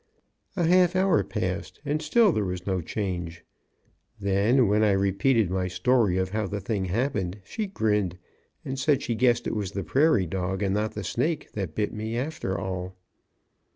A half hour passed and still there was no change. Then when I repeated my story of how the thing happened, she grinned, and said she guessed it was the prairie dog and not the snake that bit me, after all.